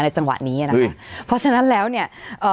จังหวะนี้นะคะเพราะฉะนั้นแล้วเนี่ยเอ่อ